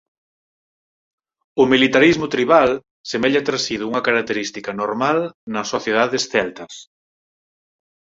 O militarismo tribal semella ter sido unha característica normal nas sociedades celtas.